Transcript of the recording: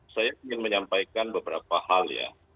saya ingin menyampaikan beberapa hal ya